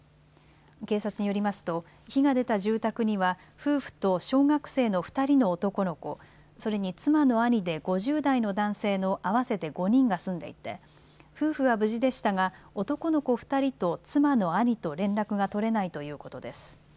警察によりますと火が出た住宅には夫婦と小学生の２人の男の子、それに妻の兄で５０代の男性の合わせて５人が住んでいて夫婦は無事でしたが男の子２人と妻の兄と連絡が取れないということです。